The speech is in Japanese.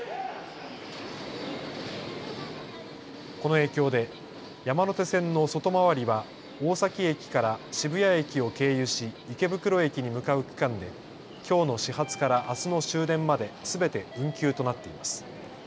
この影響で山手線の外回りは大崎駅から渋谷駅を経由し池袋駅に向かう区間できょうの始発からあすの終電まですべて運休となっています。